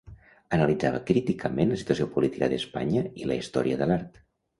Analitzava críticament la situació política d'Espanya i la història de l'art.